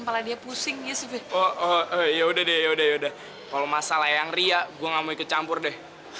pala dia pusing ya sudah ya udah udah udah kalau masalah yang ria gua nggak mau ikut campur deh